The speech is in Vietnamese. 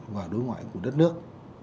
và đối ngoại của đất nước